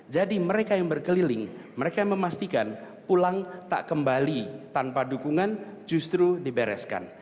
jadi mereka yang berkeliling mereka yang memastikan pulang tak kembali tanpa dukungan justru dibereskan